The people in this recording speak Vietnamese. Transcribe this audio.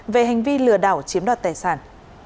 về hành vi lừa đảo chiếm đoạt tài sản